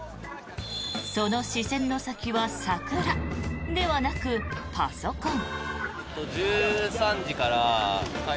その視線の先は桜ではなくパソコン。